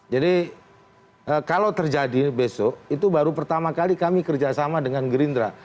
jadi kalau terjadi besok itu baru pertama kali kami kerjasama dengan gerindra